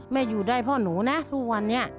อยู่ได้พ่อหนูนะทุกวันนี้